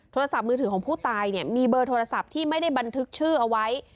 โทรศัพท์มือถือของผู้ตายเนี่ยมีเบอร์โทรศัพท์ที่ไม่ได้บันทึกชื่อเอาไว้